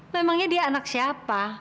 memangnya dia anak siapa